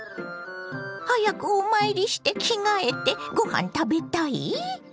早くお参りして着替えてごはん食べたい？